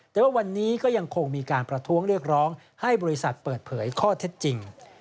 แต่ว่าวันนี้ก็ยังคงมีการประท้วงเรียกร้องให้บริษัทเปิดเผยข้อเท็จจริง